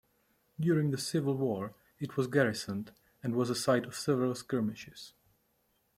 During the Civil War it was garrisoned, and was a site of several skirmishes.